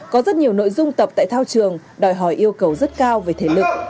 có rất nhiều nội dung tập tại thao trường đòi hỏi yêu cầu rất cao về thể lực